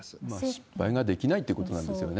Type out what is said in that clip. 失敗ができないということなんですね。